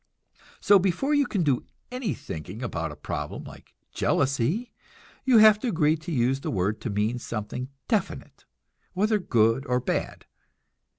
So before you can do any thinking about a problem like jealousy, you have to agree to use the word to mean something definite, whether good or bad.